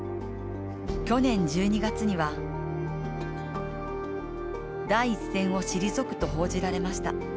去年１２月には第一線を退くと報じられました。